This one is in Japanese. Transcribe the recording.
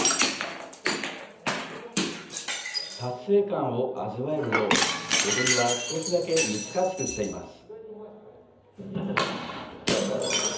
達成感を味わえるよう、踊りは少しだけ難しくしています。